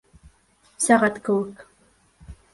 Сәғәт кеүек.